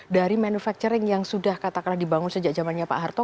dari manufacturing yang sudah katakanlah dibangun sejak zamannya pak harto